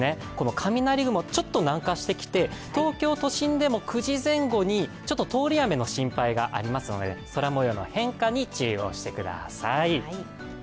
雷雲、ちょっと南下してきて東京都心でも９時前後に、通り雨の心配がありますので空もようの変化に注意をしてください。